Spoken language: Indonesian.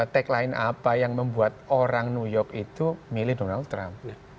tagline apa yang membuat orang new york itu milih donald trump